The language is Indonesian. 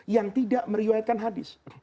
yang tidak meriwayatkan hadis